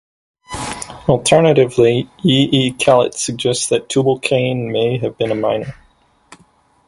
Alternatively, E. E. Kellett suggests that Tubal-cain may have been a miner.